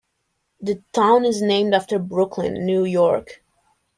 The town is named after Brooklyn, New York.